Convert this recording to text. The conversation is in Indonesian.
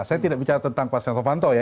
saya tidak bicara tentang pak setia novanto ya